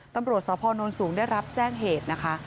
ตำรวจสพนสูงได้รับแจ้งเหตุนะคะ